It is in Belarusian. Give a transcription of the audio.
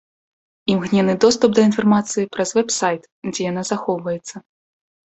Імгненны доступ да інфармацыі праз вэб-сайт, дзе яна захоўваецца.